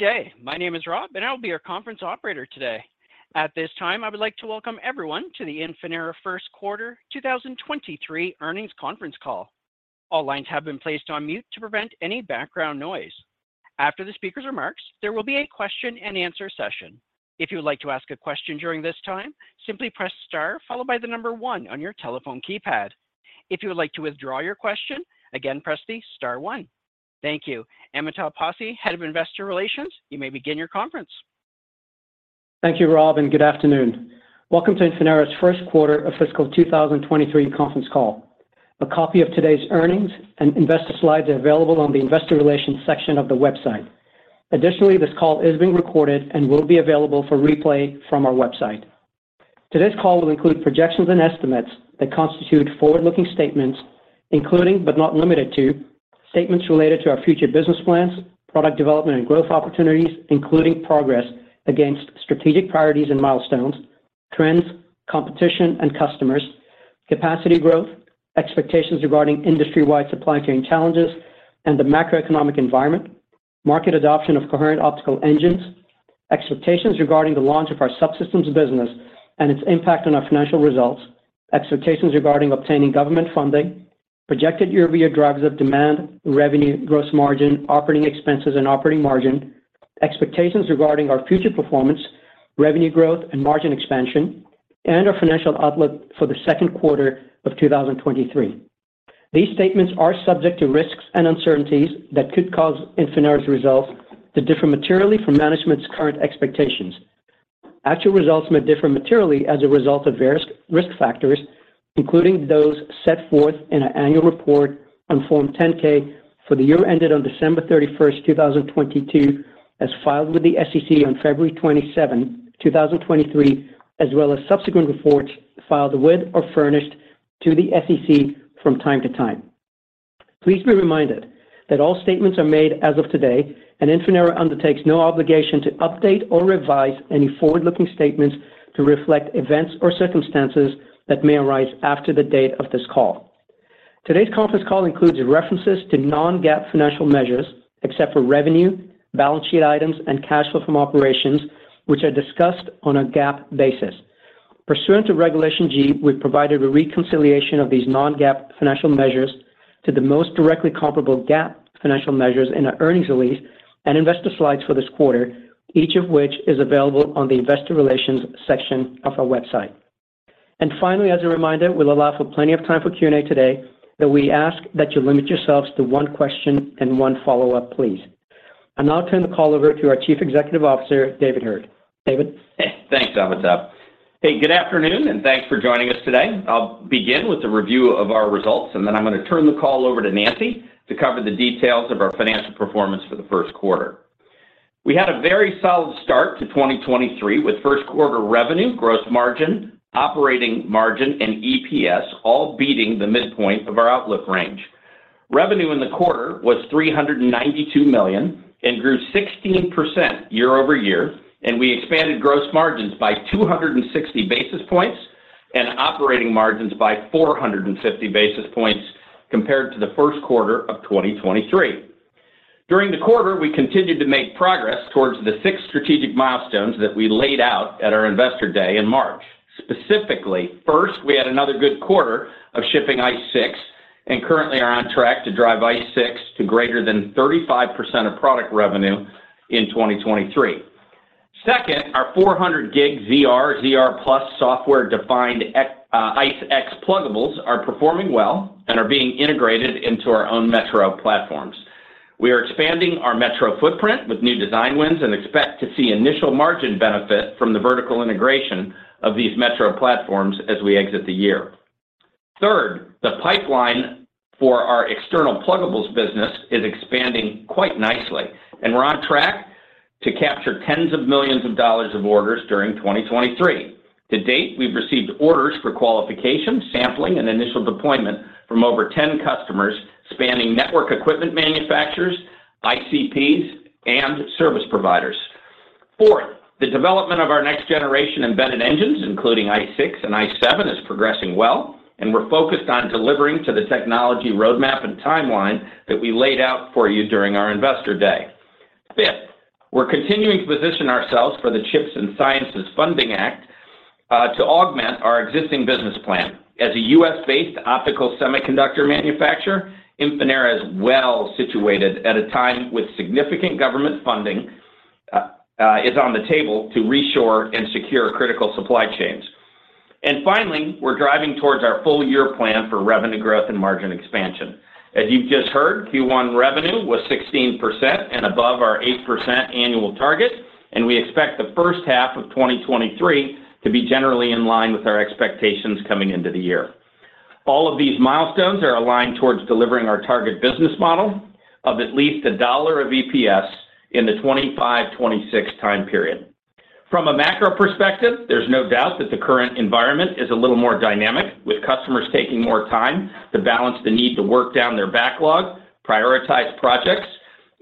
Good day. My name is Rob, and I will be your conference operator today. At this time, I would like to welcome everyone to the Infinera Q1 2023 earnings conference call. All lines have been placed on mute to prevent any background noise. After the speaker's remarks, there will be a question and answer session. If you would like to ask a question during this time, simply press star followed by the number one on your telephone keypad. If you would like to withdraw your question, again, press the star one. Thank you. Amitabh Passi, head of investor relations, you may begin your conference. Thank you, Rob, and good afternoon. Welcome to Infinera's Q1 of fiscal 2023 conference call. A copy of today's earnings and investor slides are available on the investor relations section of the website. This call is being recorded and will be available for replay from our website. Today's call will include projections and estimates that constitute forward-looking statements, including but not limited to statements related to our future business plans, product development and growth opportunities, including progress against strategic priorities and milestones, trends, competition and customers, capacity growth, expectations regarding industry-wide supply chain challenges and the macroeconomic environment, market adoption of coherent optical engines, expectations regarding the launch of our subsystems business and its impact on our financial results, expectations regarding obtaining government funding, projected year-over-year drivers of demand, revenue, gross margin, operating expenses, and operating margin, expectations regarding our future performance, revenue growth, and margin expansion, and our financial outlook for the Q2 of 2023. These statements are subject to risks and uncertainties that could cause Infinera's results to differ materially from management's current expectations. Actual results may differ materially as a result of various risk factors, including those set forth in our annual report on Form 10-K for the year ended on December 31, 2022, as filed with the SEC on February 27, 2023, as well as subsequent reports filed with or furnished to the SEC from time to time. Please be reminded that all statements are made as of today, and Infinera undertakes no obligation to update or revise any forward-looking statements to reflect events or circumstances that may arise after the date of this call. Today's conference call includes references to non-GAAP financial measures, except for revenue, balance sheet items, and cash flow from operations, which are discussed on a GAAP basis. Pursuant to Regulation G, we've provided a reconciliation of these non-GAAP financial measures to the most directly comparable GAAP financial measures in our earnings release and investor slides for this quarter, each of which is available on the investor relations section of our website. Finally, as a reminder, we'll allow for plenty of time for Q&A today, but we ask that you limit yourselves to one question and one follow-up, please. I'll now turn the call over to our Chief Executive Officer, David Heard. David? Hey, thanks, Amitabh. Good afternoon, and thanks for joining us today. I'll begin with a review of our results, then I'm going to turn the call over to Nancy to cover the details of our financial performance for the Q1. We had a very solid start to 2023 with Q1 revenue, gross margin, operating margin, and EPS all beating the midpoint of our outlook range. Revenue in the quarter was $392 million and grew 16% year-over-year, we expanded gross margins by 260 basis points and operating margins by 450 basis points compared to the Q1 of 2023. During the quarter, we continued to make progress towards the six strategic milestones that we laid out at our Investor Day in March. Specifically, first, we had another good quarter of shipping ICE6 and currently are on track to drive ICE6 to greater than 35% of product revenue in 2023. Second, our 400 gig ZR+ software-defined ICE-X pluggables are performing well and are being integrated into our own metro platforms. We are expanding our metro footprint with new design wins and expect to see initial margin benefit from the vertical integration of these metro platforms as we exit the year. Third, the pipeline for our external pluggables business is expanding quite nicely, and we're on track to capture tens of millions of dollars of orders during 2023. To date, we've received orders for qualification, sampling, and initial deployment from over 10 customers spanning network equipment manufacturers, ICPs, and service providers. Fourth, the development of our next generation embedded engines, including ICE6 and ICE7, is progressing well. We're focused on delivering to the technology roadmap and timeline that we laid out for you during our Investor Day. Fifth, we're continuing to position ourselves for the CHIPS and Science Act to augment our existing business plan. As a U.S.-based optical semiconductor manufacturer, Infinera is well situated at a time with significant government funding is on the table to reshore and secure critical supply chains. Finally, we're driving towards our full year plan for revenue growth and margin expansion. As you've just heard, Q1 revenue was 16% and above our 8% annual target. We expect the first half of 2023 to be generally in line with our expectations coming into the year. All of these milestones are aligned towards delivering our target business model of at least $1 of EPS in the 2025, 2026 time period. From a macro perspective, there's no doubt that the current environment is a little more dynamic with customers taking more time to balance the need to work down their backlog, prioritize projects,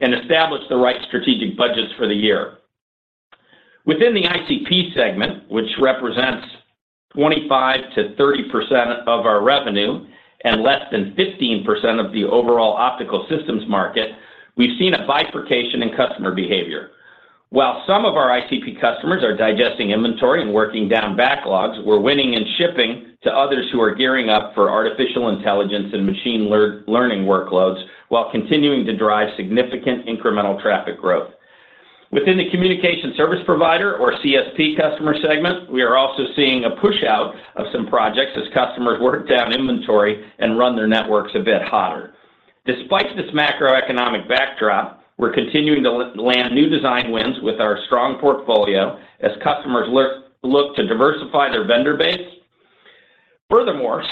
and establish the right strategic budgets for the year. Within the ICP segment, which represents 25%-30% of our revenue and less than 15% of the overall optical systems market, we've seen a bifurcation in customer behavior. While some of our ICP customers are digesting inventory and working down backlogs, we're winning and shipping to others who are gearing up for artificial intelligence and machine learning workloads while continuing to drive significant incremental traffic growth. Within the communication service provider or CSP customer segment, we are also seeing a push out of some projects as customers work down inventory and run their networks a bit hotter. Despite this macroeconomic backdrop, we're continuing to land new design wins with our strong portfolio as customers look to diversify their vendor base.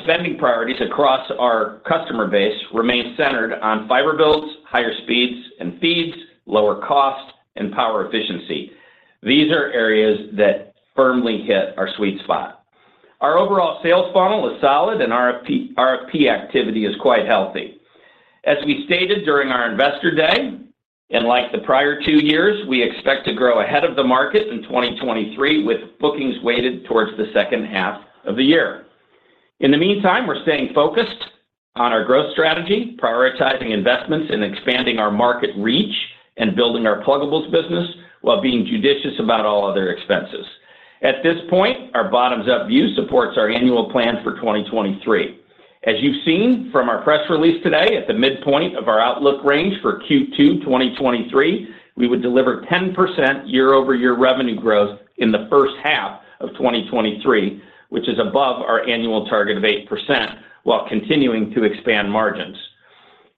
Spending priorities across our customer base remain centered on fiber builds, higher speeds and feeds, lower cost, and power efficiency. These are areas that firmly hit our sweet spot. Our overall sales funnel is solid and RFP activity is quite healthy. As we stated during our Investor Day, and like the prior two years, we expect to grow ahead of the market in 2023 with bookings weighted towards the second half of the year. In the meantime, we're staying focused on our growth strategy, prioritizing investments, and expanding our market reach and building our pluggables business while being judicious about all other expenses. At this point, our bottoms-up view supports our annual plans for 2023. As you've seen from our press release today at the midpoint of our outlook range for Q2, 2023, we would deliver 10% year-over-year revenue growth in the first half of 2023, which is above our annual target of 8% while continuing to expand margins.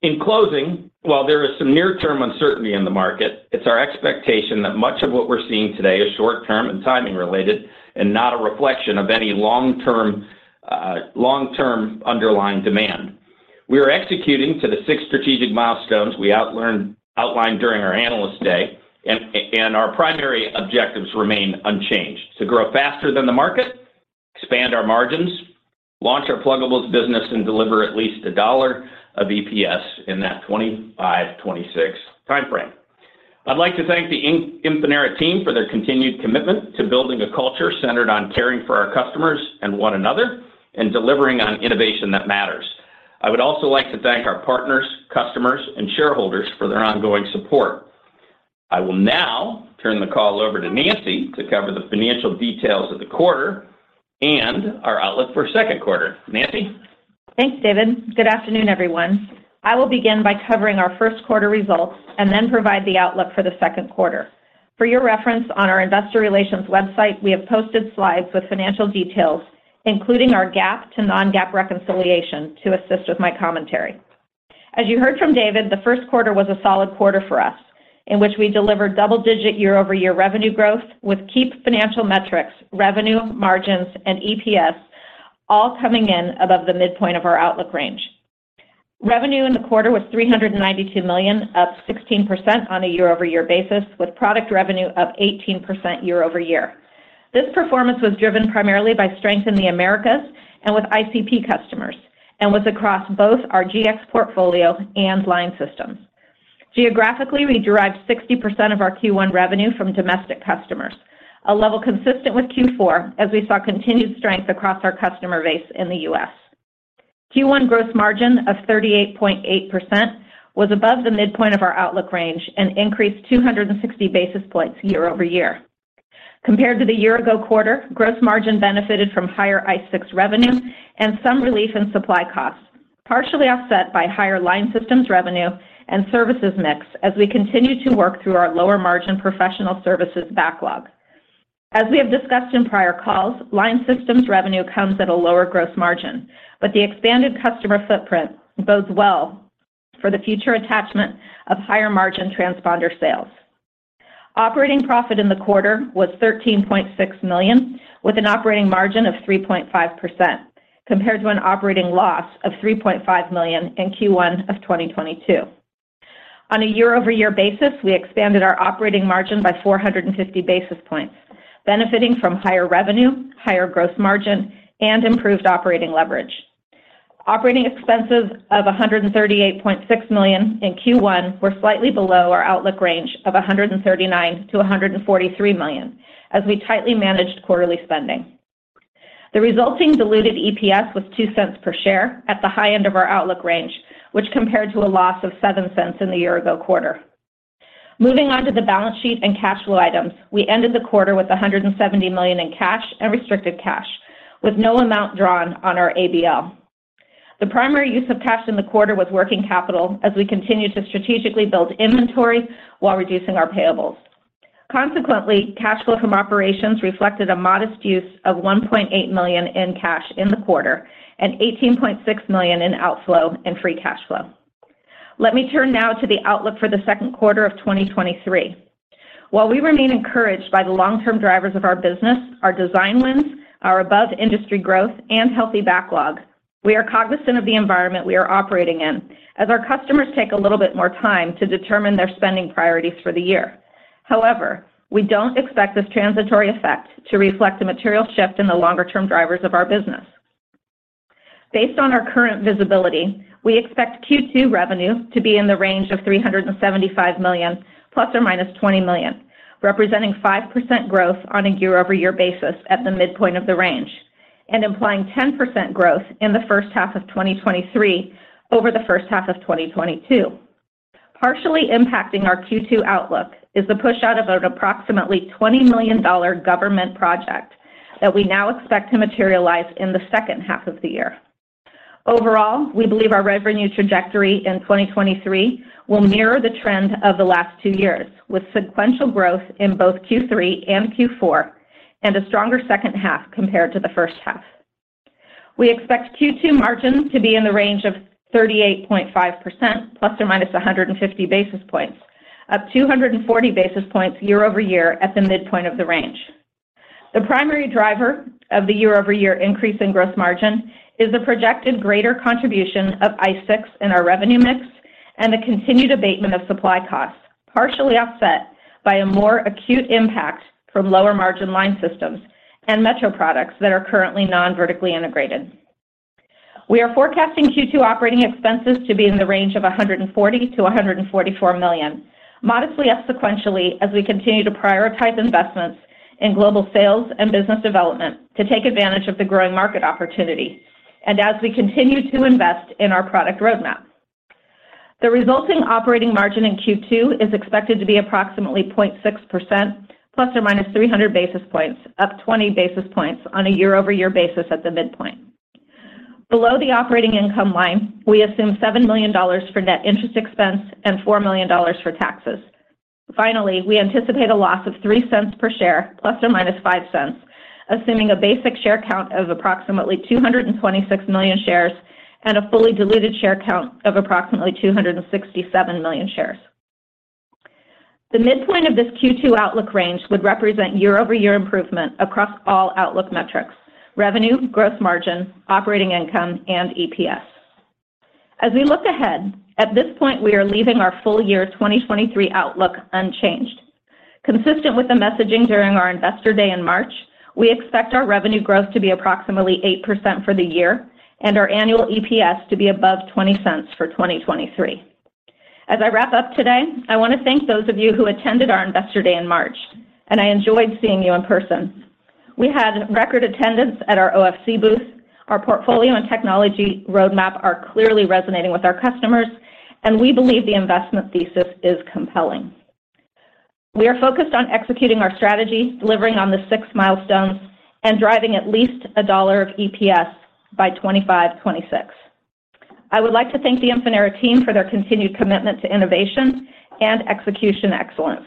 In closing, while there is some near-term uncertainty in the market, it's our expectation that much of what we're seeing today is short-term and timing related and not a reflection of any long-term underlying demand. We are executing to the six strategic milestones we outlined during our Analyst Day, and our primary objectives remain unchanged: to grow faster than the market, expand our margins, launch our pluggables business, and deliver at least $1 of EPS in that 2025, 2026 timeframe. I'd like to thank the Infinera team for their continued commitment to building a culture centered on caring for our customers and one another and delivering on innovation that matters. I would also like to thank our partners, customers, and shareholders for their ongoing support. I will now turn the call over to Nancy to cover the financial details of the quarter and our outlook for Q2. Nancy? Thanks, David. Good afternoon, everyone. I will begin by covering our Q1 results and then provide the outlook for the Q2. For your reference on our investor relations website, we have posted slides with financial details, including our GAAP to non-GAAP reconciliation to assist with my commentary. As you heard from David, the Q1 was a solid quarter for us in which we delivered double-digit year-over-year revenue growth with key financial metrics, revenue, margins, and EPS all coming in above the midpoint of our outlook range. Revenue in the quarter was $392 million, up 16% on a year-over-year basis, with product revenue up 18% year-over-year. This performance was driven primarily by strength in the Americas and with ICP customers, and was across both our GX portfolio and line systems. Geographically, we derived 60% of our Q1 revenue from domestic customers, a level consistent with Q4 as we saw continued strength across our customer base in the U.S. Q1 gross margin of 38.8% was above the midpoint of our outlook range and increased 260 basis points year-over-year. Compared to the year-ago quarter, gross margin benefited from higher ICE6 revenue and some relief in supply costs, partially offset by higher line systems revenue and services mix as we continue to work through our lower-margin professional services backlog. As we have discussed in prior calls, line systems revenue comes at a lower gross margin, but the expanded customer footprint bodes well for the future attachment of higher-margin transponder sales. Operating profit in the quarter was $13.6 million, with an operating margin of 3.5%, compared to an operating loss of $3.5 million in Q1 of 2022. On a year-over-year basis, we expanded our operating margin by 450 basis points, benefiting from higher revenue, higher gross margin, and improved operating leverage. Operating expenses of $138.6 million in Q1 were slightly below our outlook range of $139 million-$143 million as we tightly managed quarterly spending. The resulting diluted EPS was $0.02 per share at the high end of our outlook range, which compared to a loss of $0.07 in the year-ago quarter. Moving on to the balance sheet and cash flow items. We ended the quarter with $170 million in cash and restricted cash, with no amount drawn on our ABL. The primary use of cash in the quarter was working capital as we continued to strategically build inventory while reducing our payables. Cash flow from operations reflected a modest use of $1.8 million in cash in the quarter and $18.6 million in outflow in free cash flow. Let me turn now to the outlook for the Q2 of 2023. We remain encouraged by the long-term drivers of our business, our design wins, our above-industry growth, and healthy backlog, we are cognizant of the environment we are operating in as our customers take a little bit more time to determine their spending priorities for the year. We don't expect this transitory effect to reflect a material shift in the longer-term drivers of our business. Based on our current visibility, we expect Q2 revenue to be in the range of $375 million ±$20 million, representing 5% growth on a year-over-year basis at the midpoint of the range, and implying 10% growth in the first half of 2023 over the first half of 2022. Partially impacting our Q2 outlook is the push out of an approximately $20 million government project that we now expect to materialize in the second half of the year. We believe our revenue trajectory in 2023 will mirror the trend of the last two years, with sequential growth in both Q3 and Q4 and a stronger second half compared to the first half. We expect Q2 margins to be in the range of 38.5% ±150 basis points, up 240 basis points year-over-year at the midpoint of the range. The primary driver of the year-over-year increase in gross margin is the projected greater contribution of ICE6 in our revenue mix and the continued abatement of supply costs, partially offset by a more acute impact from lower margin line systems and metro products that are currently non-vertically integrated. We are forecasting Q2 operating expenses to be in the range of $140 million-$144 million, modestly up sequentially as we continue to prioritize investments in global sales and business development to take advantage of the growing market opportunity and as we continue to invest in our product roadmap. The resulting operating margin in Q2 is expected to be approximately 0.6% ± 300 basis points, up 20 basis points on a year-over-year basis at the midpoint. Below the operating income line, we assume $7 million for net interest expense and $4 million for taxes. Finally, we anticipate a loss of $0.03 per share ± $0.05, assuming a basic share count of approximately 226 million shares and a fully diluted share count of approximately 267 million shares. The midpoint of this Q2 outlook range would represent year-over-year improvement across all outlook metrics: revenue, gross margin, operating income, and EPS. As we look ahead, at this point we are leaving our full year 2023 outlook unchanged. Consistent with the messaging during our Investor Day in March, we expect our revenue growth to be approximately 8% for the year and our annual EPS to be above $0.20 for 2023. As I wrap up today, I want to thank those of you who attended our Investor Day in March, and I enjoyed seeing you in person. We had record attendance at our OFC booth. Our portfolio and technology roadmap are clearly resonating with our customers, and we believe the investment thesis is compelling. We are focused on executing our strategy, delivering on the six milestones, and driving at least $1 of EPS by 2025, 2026. I would like to thank the Infinera team for their continued commitment to innovation and execution excellence,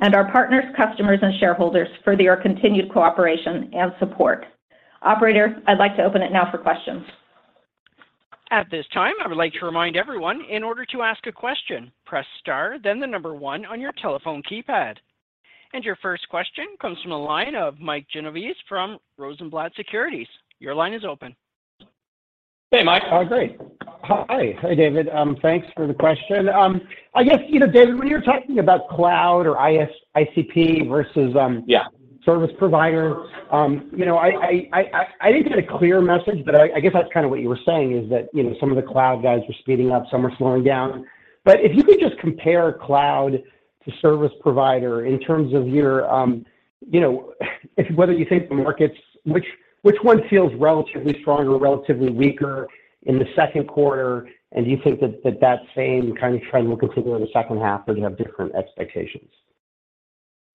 and our partners, customers, and shareholders for their continued cooperation and support. Operator, I'd like to open it now for questions. At this time, I would like to remind everyone in order to ask a question, press star, then the 1 on your telephone keypad. Your first question comes from the line of Mike Genovese from Rosenblatt Securities. Your line is open. Hey, Mike. Great. Hi, David. Thanks for the question. I guess, you know, David, when you're talking about cloud or ICP versus. Yeah service provider, you know, I didn't get a clear message, but I guess that's kind of what you were saying is that, you know, some of the cloud guys are speeding up, some are slowing down. If you could just compare cloud to service provider in terms of your, you know, if whether you think the markets, which one feels relatively stronger, relatively weaker in the Q2? Do you think that same kind of trend will continue in the second half, or do you have different expectations?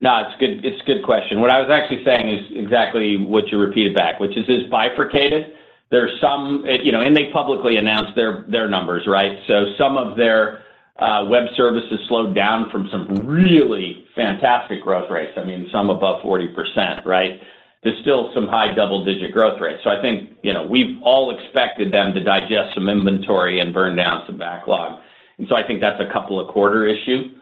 No, it's a good question. What I was actually saying is exactly what you repeated back, which is it's bifurcated. There are some, you know, they publicly announced their numbers, right? Some of their web services slowed down from some really fantastic growth rates. I mean, some above 40%, right? There's still some high double-digit growth rates. I think, you know, we've all expected them to digest some inventory and burn down some backlog. I think that's a couple of quarter issue.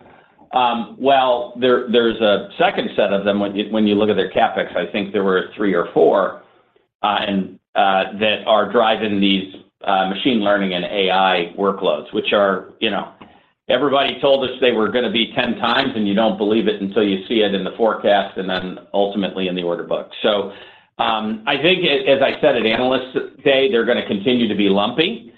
Well, there's a second set of them when you look at their CapEx. I think there were three or four that are driving these machine learning and AI workloads, which are, you know. Everybody told us they were going to be 10 times. You don't believe it until you see it in the forecast and then ultimately in the order book. I think as I said at Analyst Day, they're going to continue to be lumpy,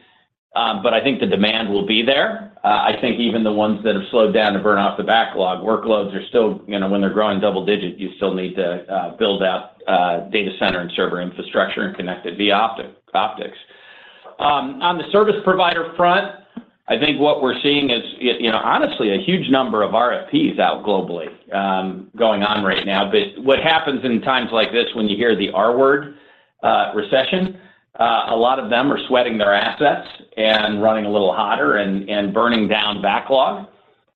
but I think the demand will be there. I think even the ones that have slowed down to burn off the backlog workloads are still, you know, when they're growing double-digit, you still need to build out data center and server infrastructure and connected via optics. On the service provider front, I think what we're seeing is, you know, honestly a huge number of RFPs out globally going on right now. What happens in times like this when you hear the R word, recession, a lot of them are sweating their assets and running a little hotter and burning down backlog.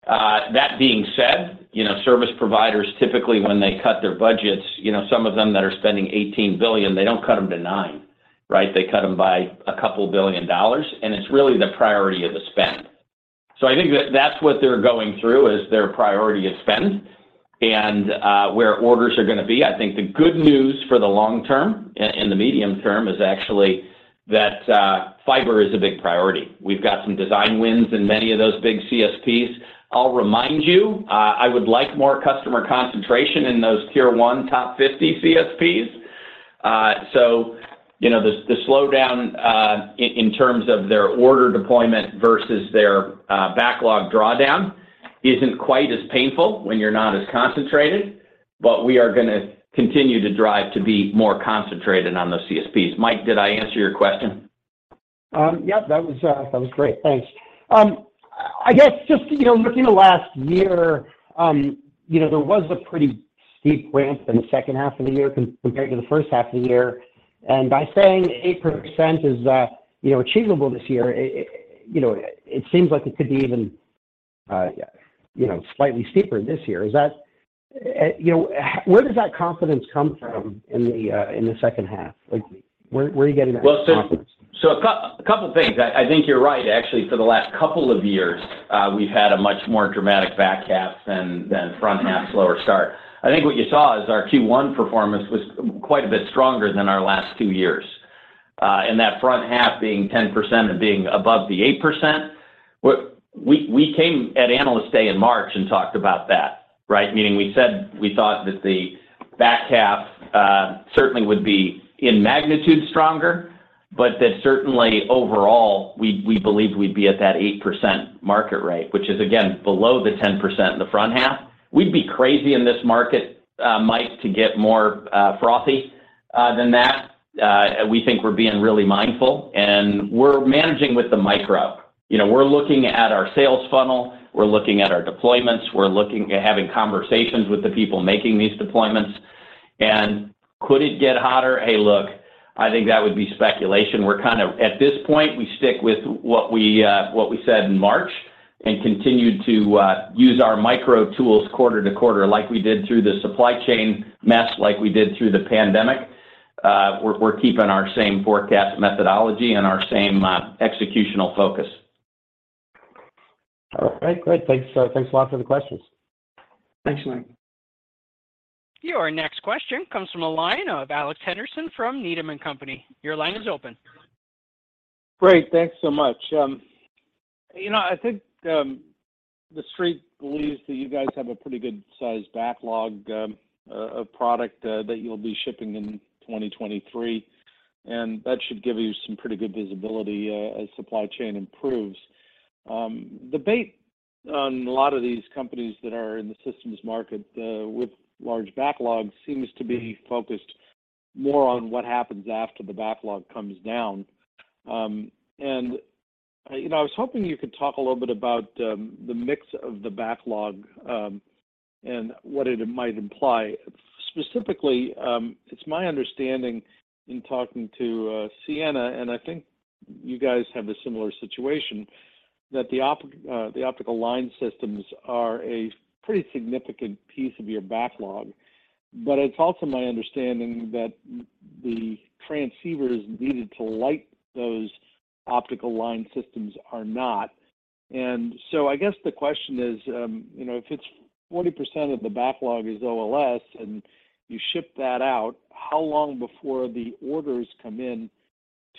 That being said, you know, service providers, typically when they cut their budgets, you know, some of them that are spending $18 billion, they don't cut them to $9 billion, right? They cut them by a couple billion dollars, and it's really the priority of the spend. I think that's what they're going through is their priority of spend and where orders are going to be. I think the good news for the long term and the medium term is actually that fiber is a big priority. We've got some design wins in many of those big CSPs. I'll remind you, I would like more customer concentration in those tier one top 50 CSPs. you know, the slowdown, in terms of their order deployment versus their backlog drawdown isn't quite as painful when you're not as concentrated, but we are gonna continue to drive to be more concentrated on those CSPs. Mike, did I answer your question? Yep, that was great. Thanks. I guess just, you know, looking the last year, you know, there was a pretty steep ramp in the second half of the year compared to the first half of the year. By saying 8% is, you know, achievable this year, it, you know, it seems like it could be even, you know, slightly steeper this year. Is that? You know, where does that confidence come from in the second half? Like, where are you getting that confidence? A couple things. I think you're right. Actually, for the last couple of years, we've had a much more dramatic back half than front half slower start. I think what you saw is our Q1 performance was quite a bit stronger than our last two years. That front half being 10% and being above the 8%. We came at Analyst Day in March and talked about that, right? Meaning we said we thought that the back half, certainly would be in magnitude stronger, but that certainly overall, we believed we'd be at that 8% market rate, which is again, below the 10% in the front half. We'd be crazy in this market, Mike, to get more frothy than that. We think we're being really mindful, and we're managing with the micro. You know, we're looking at our sales funnel. We're looking at our deployments. We're having conversations with the people making these deployments. Could it get hotter? Hey, look, I think that would be speculation. At this point, we stick with what we said in March and continue to use our micro tools quarter to quarter like we did through the supply chain mess, like we did through the pandemic. We're keeping our same forecast methodology and our same executional focus. All right. Great. Thanks, thanks a lot for the questions. Thanks, Mike. Your next question comes from the line of Alex Henderson from Needham & Company. Your line is open. Great. Thanks so much. You know, I think, The Street believes that you guys have a pretty good sized backlog of product that you'll be shipping in 2023, and that should give you some pretty good visibility as supply chain improves. Debate on a lot of these companies that are in the systems market with large backlogs seems to be focused more on what happens after the backlog comes down. You know, I was hoping you could talk a little bit about the mix of the backlog and what it might imply. Specifically, it's my understanding in talking to Ciena, and I think you guys have a similar situation, that the optical line systems are a pretty significant piece of your backlog. It's also my understanding that the transceivers needed to light those optical line systems are not. I guess the question is, you know, if it's 40% of the backlog is OLS and you ship that out, how long before the orders come in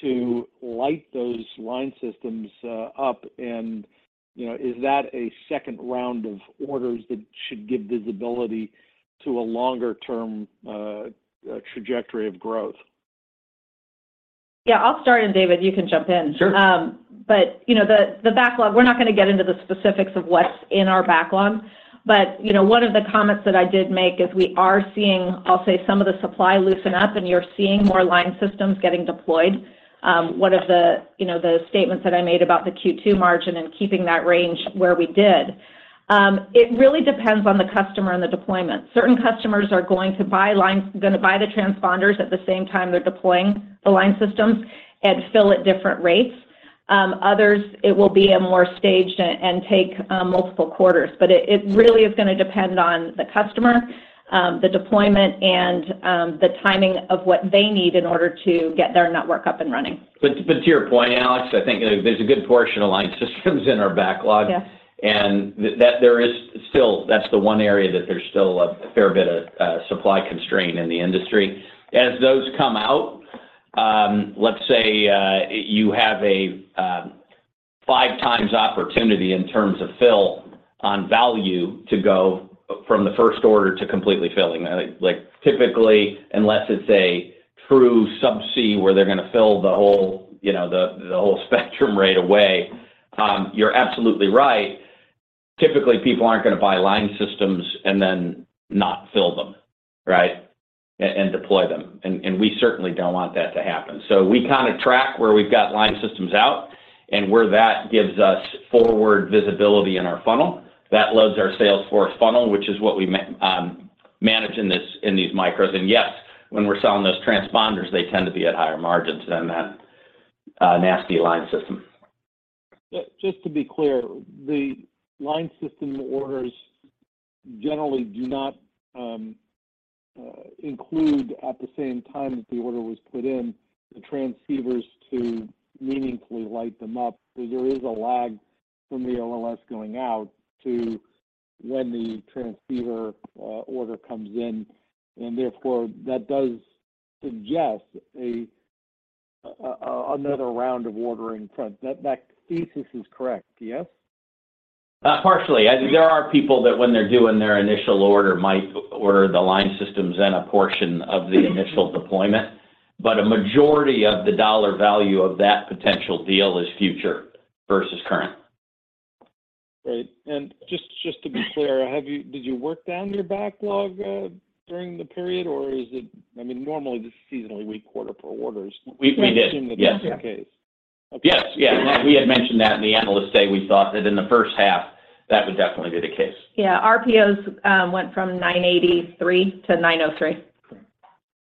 to light those line systems up? You know, is that a second round of orders that should give visibility to a longer term trajectory of growth? Yeah, I'll start, and David, you can jump in. Sure. You know, the backlog, we're not gonna get into the specifics of what's in our backlog. You know, one of the comments that I did make is we are seeing, I'll say, some of the supply loosen up, and you're seeing more line systems getting deployed. One of the, you know, the statements that I made about the Q2 margin and keeping that range where we did, it really depends on the customer and the deployment. Certain customers are going to buy the transponders at the same time they're deploying the line systems and fill at different rates. Others, it will be a more staged and take multiple quarters. It really is going to depend on the customer, the deployment, and the timing of what they need in order to get their network up and running. To your point, Alex, I think there's a good portion of line systems in our backlog. Yes. That there is still that's the one area that there's still a fair bit of supply constraint in the industry. As those come out, let's say, you have a 5x opportunity in terms of fill on value to go from the first order to completely filling. Like, typically, unless it's a true subsea where they're gonna fill the whole, you know, the whole spectrum right away, you're absolutely right. Typically, people aren't gonna buy line systems and then not fill them, right, and deploy them. We certainly don't want that to happen. We kinda track where we've got line systems out and where that gives us forward visibility in our funnel. That loads our sales force funnel, which is what we manage in this, in these micros. Yes, when we're selling those transponders, they tend to be at higher margins than that, nasty line system. Just to be clear, the line system orders generally do not include at the same time that the order was put in the transceivers to meaningfully light them up. There is a lag from the OLS going out to when the transceiver order comes in, and therefore, that does suggest another round of ordering front. That thesis is correct, yes? Partially. I think there are people that when they're doing their initial order might order the line systems and a portion of the initial deployment. A majority of the dollar value of that potential deal is future versus current. Great. Just to be clear, did you work down your backlog during the period or I mean, normally, this is a seasonally weak quarter for orders? We did. That seems to be the case. Yes. Yeah. We had mentioned that in the Analyst Day. We thought that in the first half, that would definitely be the case. Yeah, RPOs, went from $983 to $903.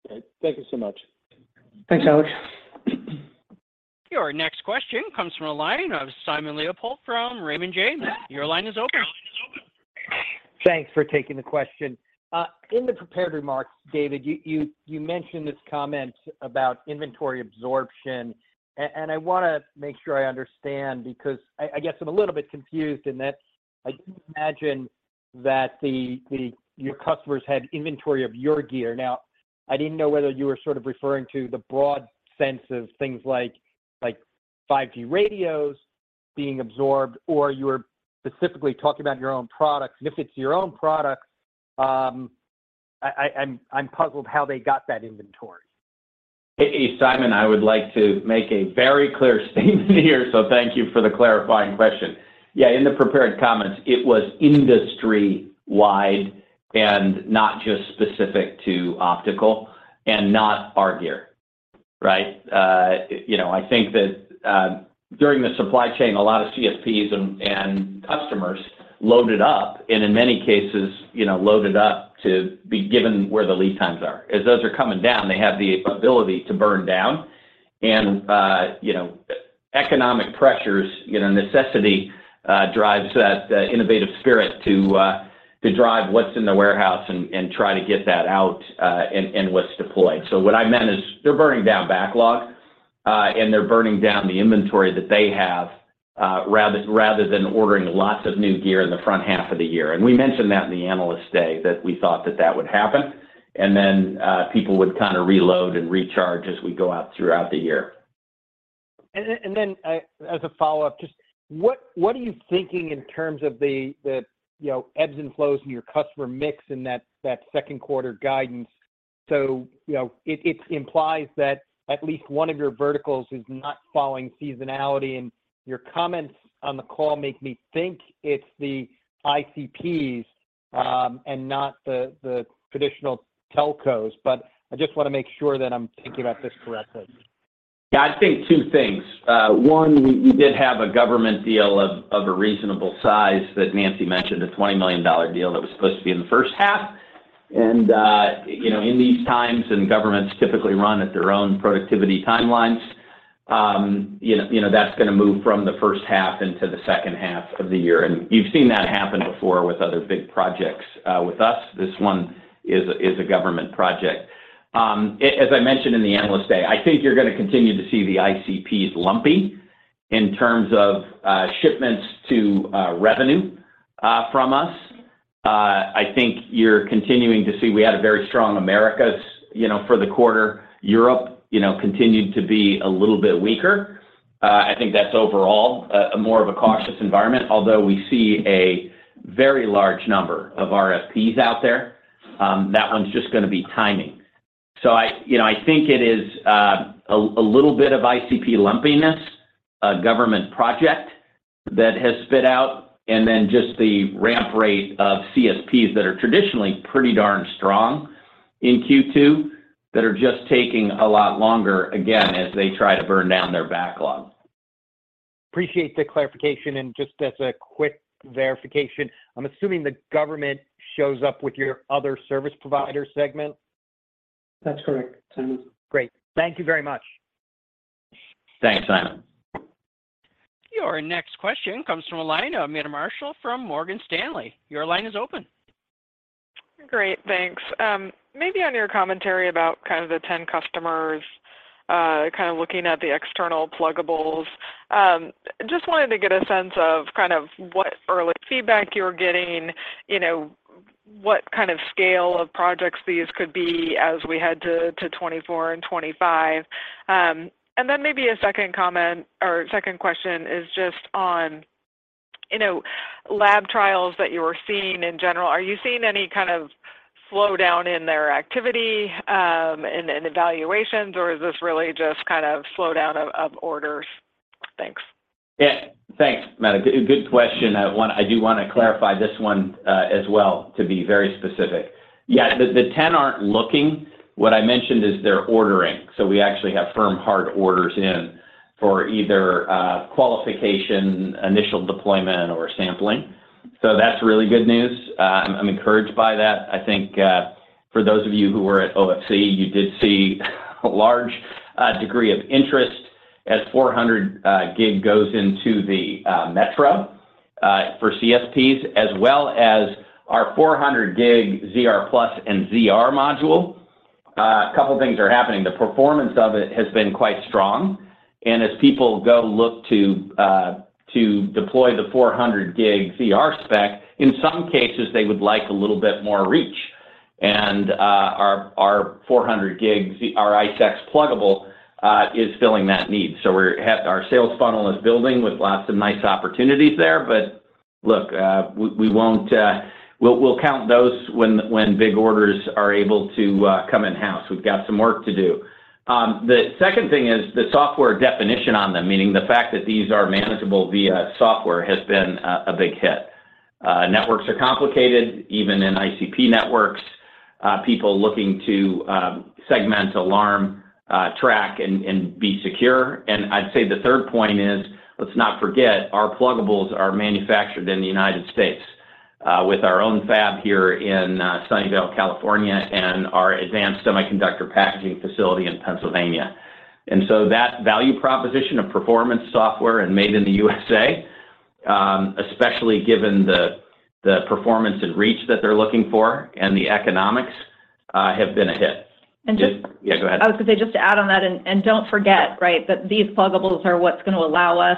Okay. Thank you so much. Thanks, Alex. Your next question comes from a line of Simon Leopold from Raymond James. Your line is open. Thanks for taking the question. In the prepared remarks, David, you mentioned this comment about inventory absorption. I want to make sure I understand because I guess I'm a little bit confused in that I didn't imagine that your customers had inventory of your gear. I didn't know whether you were sort of referring to the broad sense of things like 5G radios being absorbed, or you were specifically talking about your own products. If it's your own products, I'm puzzled how they got that inventory. Hey, Simon, I would like to make a very clear statement here. Thank you for the clarifying question. Yeah, in the prepared comments, it was industry-wide and not just specific to optical and not our gear, right? You know, I think that, during the supply chain, a lot of CSPs and customers loaded up, and in many cases, you know, loaded up to be given where the lead times are. As those are coming down, they have the ability to burn down. You know, economic pressures, you know, necessity, drives that innovative spirit to drive what's in the warehouse and try to get that out, and what's deployed. What I meant is they're burning down backlog, and they're burning down the inventory that they have, rather than ordering lots of new gear in the front half of the year. We mentioned that in the Analyst Day that we thought that that would happen. Then, people would kind of reload and recharge as we go out throughout the year. As a follow-up, just what are you thinking in terms of the, you know, ebbs and flows in your customer mix in that Q2 guidance? you know, it implies that at least one of your verticals is not following seasonality, and your comments on the call make me think it's the ICPs, and not the traditional telcos. I just want to make sure that I'm thinking about this correctly. Yeah, I'd say two things. One, we did have a government deal of a reasonable size that Nancy mentioned, a $20 million deal that was supposed to be in the first half. You know, in these times, and governments typically run at their own productivity timelines, you know, that's going to move from the first half into the second half of the year. You've seen that happen before with other big projects with us. This one is a government project. As I mentioned in the Analyst Day, I think you're going to continue to see the ICPs lumpy in terms of shipments to revenue from us. I think you're continuing to see we had a very strong Americas, you know, for the quarter. Europe, you know, continued to be a little bit weaker. I think that's overall more of a cautious environment, although we see a very large number of RFPs out there. That one's just gonna be timing. I, you know, I think it is a little bit of ICP lumpiness, a government project that has spit out, and then just the ramp rate of CSPs that are traditionally pretty darn strong in Q2 that are just taking a lot longer, again, as they try to burn down their backlog. Appreciate the clarification. Just as a quick verification, I'm assuming the government shows up with your other service provider segment? That's correct, Simon. Great. Thank you very much. Thanks, Simon. Your next question comes from a line of Meta Marshall from Morgan Stanley. Your line is open. Great. Thanks. Maybe on your commentary about kind of the 10 customers, kind of looking at the external pluggables, just wanted to get a sense of kind of what early feedback you're getting, you know, what kind of scale of projects these could be as we head to 2024 and 2025. Maybe a second comment or second question is just on, you know, lab trials that you are seeing in general. Are you seeing any kind of slowdown in their activity, in evaluations, or is this really just kind of slowdown of orders? Thanks. Yeah. Thanks, Meta. Good, good question. I do want to clarify this one as well to be very specific. Yeah, the 10 aren't looking. What I mentioned is they're ordering. We actually have firm hard orders in for either qualification, initial deployment or sampling. That's really good news. I'm encouraged by that. I think for those of you who were at OFC, you did see a large degree of interest as 400 gig goes into the metro for CSPs, as well as our 400 gig ZR+ and ZR module. A couple of things are happening. The performance of it has been quite strong. As people go look to deploy the 400G ZR spec, in some cases, they would like a little bit more reach. Our 400G, ICE6 pluggable is filling that need. Our sales funnel is building with lots of nice opportunities there. Look, we won't. We'll count those when big orders are able to come in-house. We've got some work to do. The second thing is the software definition on them, meaning the fact that these are manageable via software has been a big hit. Networks are complicated, even in ICP networks, people looking to segment, alarm, track, and be secure. I'd say the third point is, let's not forget our pluggables are manufactured in the United States, with our own fab here in Sunnyvale, California, and our advanced semiconductor packaging facility in Pennsylvania. That value proposition of performance software and made in the USA, especially given the performance and reach that they're looking for and the economics, have been a hit. And just- Yeah, go ahead. I was gonna say, just to add on that, and don't forget, right, that these pluggables are what's gonna allow us,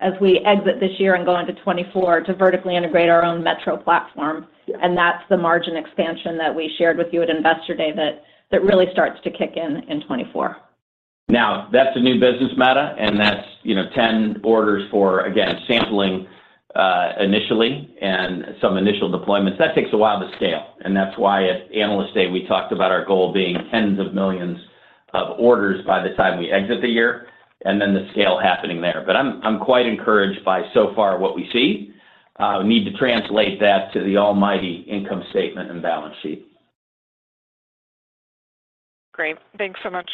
as we exit this year and go into 2024, to vertically integrate our own metro platform. Yeah. That's the margin expansion that we shared with you at Investor Day that really starts to kick in in 2024. That's a new business, Mada, and that's, you know, 10 orders for, again, sampling, initially and some initial deployments. That takes a while to scale, and that's why at Analyst Day, we talked about our goal being tens of millions of orders by the time we exit the year and then the scale happening there. I'm quite encouraged by so far what we see. Need to translate that to the almighty income statement and balance sheet. Great. Thanks so much.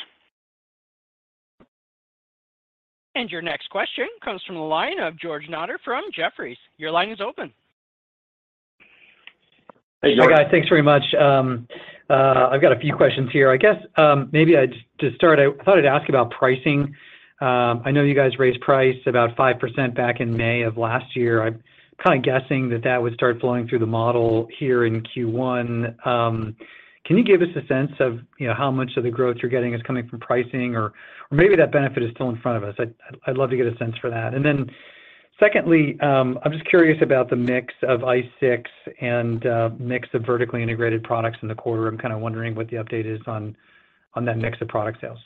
Your next question comes from the line of George Notter from Jefferies. Your line is open. Hey, guys. Thanks very much. I've got a few questions here. I guess, to start, I thought I'd ask about pricing. I know you guys raised price about 5% back in May of last year. I'm kinda guessing that would start flowing through the model here in Q1. Can you give us a sense of, you know, how much of the growth you're getting is coming from pricing? Or maybe that benefit is still in front of us. I'd love to get a sense for that. Secondly, I'm just curious about the mix of ICE6 and mix of vertically integrated products in the quarter. I'm kinda wondering what the update is on that mix of product sales.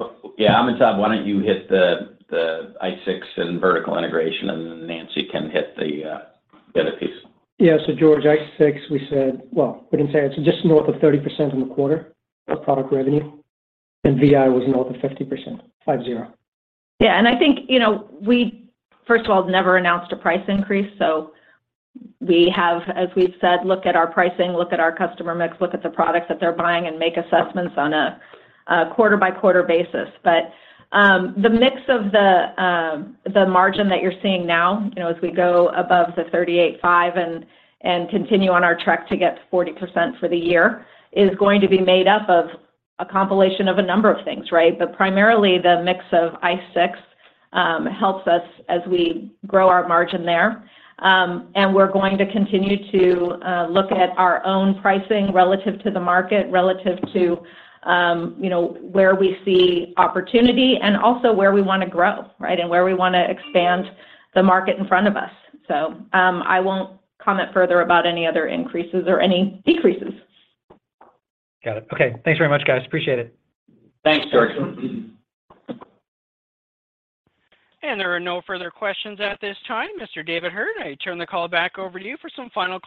Thanks. Yeah. Amitabh, why don't you hit the ICE6 and vertical integration, and then Nancy can hit the other piece. Yeah. George, ICE6, Well, we can say it's just north of 30% in the quarter of product revenue, and VI was north of 50%, 50. I think, you know, we, first of all, never announced a price increase, so we have, as we've said, look at our pricing, look at our customer mix, look at the products that they're buying, and make assessments on a quarter-by-quarter basis. The mix of the margin that you're seeing now, you know, as we go above the 38.5% and continue on our trek to get to 40% for the year, is going to be made up of a compilation of a number of things, right? Primarily, the mix of ICE6 helps us as we grow our margin there. We're going to continue to look at our own pricing relative to the market, relative to, you know, where we see opportunity and also where we wanna grow, right, and where we wanna expand the market in front of us. I won't comment further about any other increases or any decreases. Got it. Okay. Thanks very much, guys. Appreciate it. Thanks, George. There are no further questions at this time. Mr. David Heard, I turn the call back over to you for some final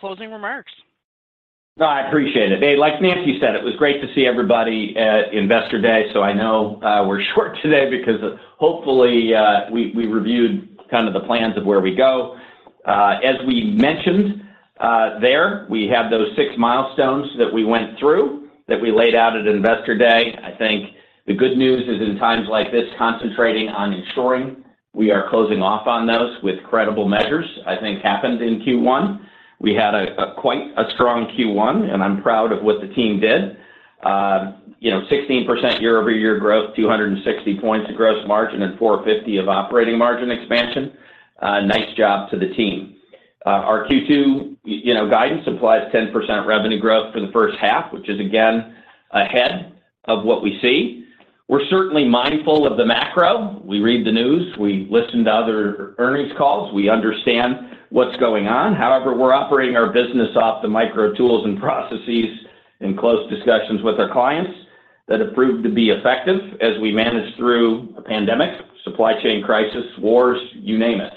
closing remarks. No, I appreciate it. Hey, like Nancy said, it was great to see everybody at Investor Day. I know we're short today because hopefully we reviewed kind of the plans of where we go. As we mentioned, we have those six milestones that we went through, that we laid out at Investor Day. I think the good news is in times like this, concentrating on ensuring we are closing off on those with credible measures, I think happened in Q1. We had a quite a strong Q1. I'm proud of what the team did. You know, 16% year-over-year growth, 260 points of gross margin, and 450 of operating margin expansion. Nice job to the team. Our Q2, you know, guidance supplies 10% revenue growth for the first half, which is again ahead of what we see. We're certainly mindful of the macro. We read the news. We listen to other earnings calls. We understand what's going on. However, we're operating our business off the micro tools and processes in close discussions with our clients that have proved to be effective as we manage through a pandemic, supply chain crisis, wars, you name it.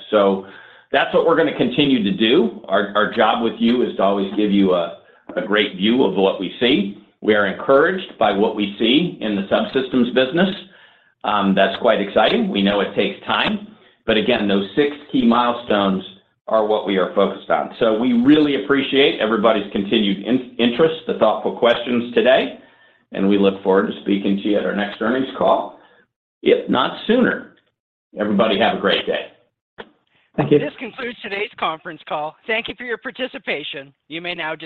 That's what we're gonna continue to do. Our job with you is to always give you a great view of what we see. We are encouraged by what we see in the subsystems business. That's quite exciting. We know it takes time, but again, those six key milestones are what we are focused on. We really appreciate everybody's continued interest, the thoughtful questions today, and we look forward to speaking to you at our next earnings call, if not sooner. Everybody, have a great day. Thank you. This concludes today's conference call. Thank you for your participation. You may now disconnect.